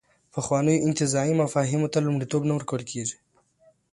پخوانیو انتزاعي مفاهیمو ته لومړیتوب نه ورکول کېږي.